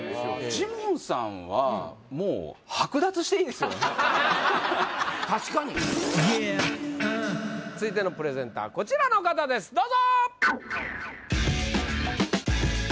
ジモンさんはもう確かに続いてのプレゼンターこちらの方ですどうぞ！